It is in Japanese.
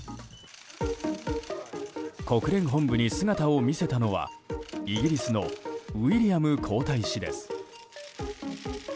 国連本部に姿を見せたのはイギリスのウィリアム皇太子です。